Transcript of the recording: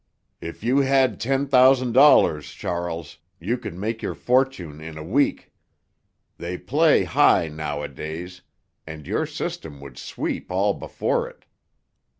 "If you had ten thousand dollars, Charles, you could make your fortune in a week. They play high nowadays, and your system would sweep all before it."